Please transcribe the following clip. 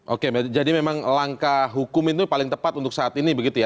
oke jadi memang langkah hukum itu paling tepat untuk saat ini begitu ya